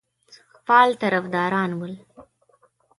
فعال طرفداران ول.